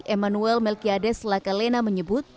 emmanuel melkiades lakalena menyebut